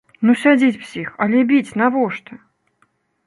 Ну сядзіць псіх, але біць навошта?